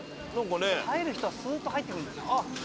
入る人はすっと入ってくんだよな。